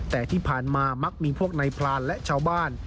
แต่ที่ผ่านมามักมีพวกนายพรานและชาวบ้าน